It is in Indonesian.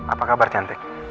apa kabar cantik